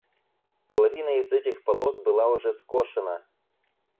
Половина из этих полос была уже скошена.